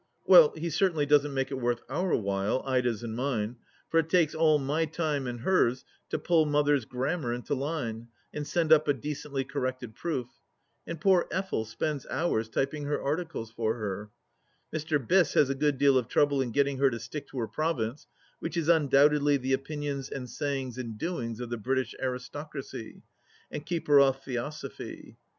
Well, he certainly doesn't make it worth our while, Ida's and mine, for it takes all my time and hers to pull Mother's grammar into line, and send up a decently corrected proof, and poor Eftel spends hours tjrping her articles for her, Mr. Biss has a good deal of trouble in getting her to stick to her province, which is undoubtedly the opinions and sayings and doings of the British Aristocracy, and keep her off Theosophy.